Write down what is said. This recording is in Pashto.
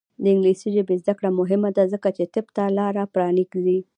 د انګلیسي ژبې زده کړه مهمه ده ځکه چې طب ته لاره پرانیزي.